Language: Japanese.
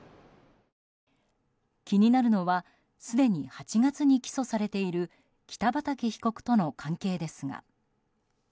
気になるのはすでに８月に起訴されている北畠被告との関係ですが。